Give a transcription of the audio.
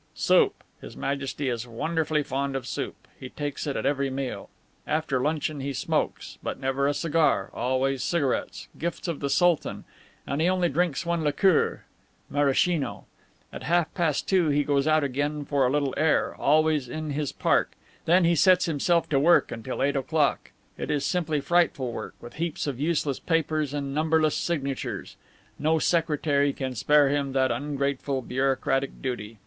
"Soup. His Majesty is wonderfully fond of soup. He takes it at every meal. After luncheon he smokes, but never a cigar always cigarettes, gifts of the Sultan; and he only drinks one liqueur, Maraschino. At half past two he goes out again for a little air always in his park; then he sets himself to work until eight o'clock. It is simply frightful work, with heaps of useless papers and numberless signatures. No secretary can spare him that ungrateful bureaucratic duty.